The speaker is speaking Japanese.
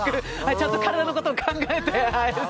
ちゃんと体のことを考えて。